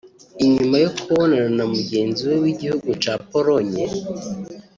Inyuma yo kubonana na mugenzi we w'igihugu ca Pologne